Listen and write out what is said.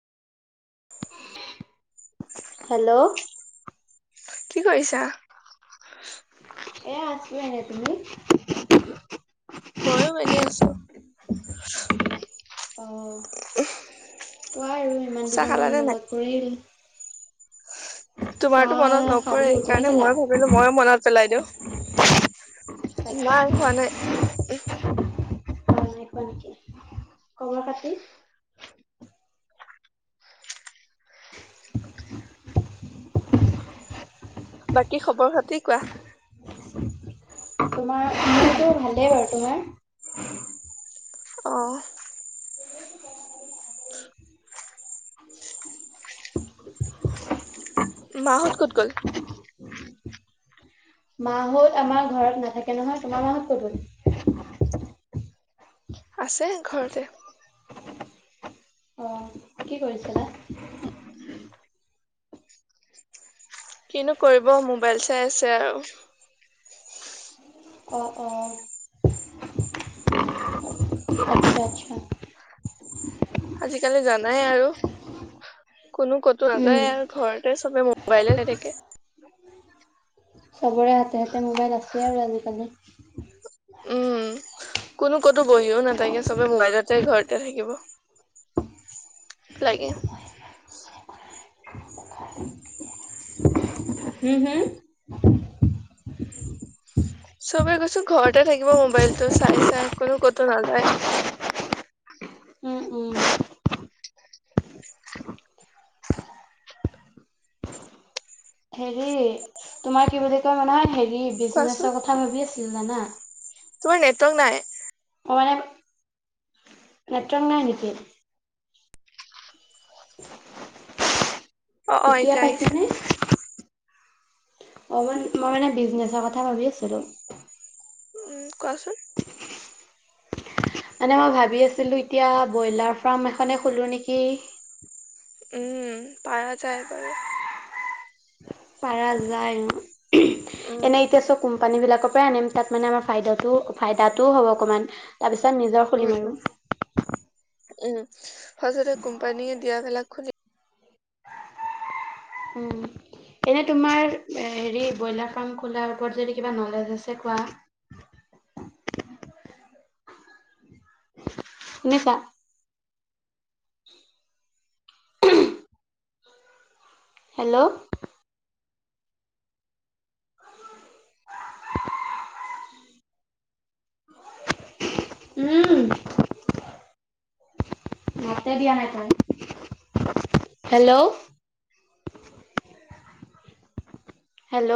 Hello কি কৰিছা? এ আছো এনেই, তুমি? ময়ো এনেই আছো। [unintelligible] অ ওহ। কোৱা ইমান দিনৰ মূৰত মনত পৰিল। তোমাৰতো মনত চাহ নপৰে খালো তুমি সেইকাৰণে খালা মই ভাবিলো ময়ে মনত পেলাই দিওঁ। তাকে নাই হোৱা অ নাই [inaudible] খাতি [inaudible] বাকী খবৰ খাতি কি কোৱা তোমাৰ মোৰটো ভালেই বাৰু তোমাৰ অহ [inaudible] মাহঁত ক'ত গ'ল। মাহ'ত আমাৰ ঘৰত নাথাকে নহয় তোমাৰ মা হত ক'ত গ'ল। আছে ঘৰতে। অ' কি কৰিছিলা। কিনো কৰিব মোবাইল চাই আছে আৰু। অ' অ' আচ্ছা আচ্ছা। আজিকালি জানাই আৰু। কোনো ক'তো উম নাযায় আৰু ঘৰতে চ'বে মোবাইলে চাই থাকে। চবৰে হাতে হাতে মোবাইল আছে আৰু আজিকালি। উম। কোনো ক'তো বহিও নাথাকে চবে মোবাইলতে ঘৰ। তে থাকিব। লাগে। হু হু। চবে কৈছো ঘৰতে থাকিব মোবাইলতটো চাই চাই কোনো ক'তো নাযায়। উম উম হেৰি তোমাৰ কি বুলি কয় মানে হেৰ। কোৱাচোন বিজনেছৰ কথা ভাবি আছো। ছিল জানা। তোমাৰ নেট। তক নাই। অ' মানে নেটৱৰ্ক নাই নেকি। চচ। [unintelligible] অ' অ' এতিয়া পাইছে আহিছে। নে। অ' মন মই মানে বিজনেচৰ কথা ভাবি আছিলো। উম কোৱাচোন। মানে মই ভাবি আছিলো এতিয়া ব্ৰইলাৰ ফাৰ্ম এখনে খোলো নেকি। উম পাৰা যায় বাৰু। পাৰা যায় উম। উঃ। উম এনেই ইতিয়া চোৱা কোম কোম্পানীবিলাকৰ পৰাই আনিম। তাত মানে আমাৰ ফাইদাটোও -ফাইদাটোও হ'ব অকণমান তাৰপাছ ত-নিজৰ উম খুলিম উম আৰু। উম। ফাচতে কোম্পানীয়ে দিয়া ভেলাক খুলি উম এনে তোমাৰ হেৰি ব্ৰইলাৰ ফাৰ্ম খোলাৰ ওপৰত যদি কিবা নলেজ আছে কোৱা। এনেকোৱা। হেল্ল'। উম। মাতে দিয়া নাই তাই। হেল্ল'। হেল্ল'